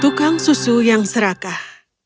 tukang susu yang serakah